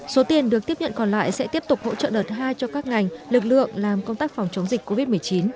số tiền được tiếp nhận còn lại sẽ tiếp tục hỗ trợ đợt hai cho các ngành lực lượng làm công tác phòng chống dịch covid một mươi chín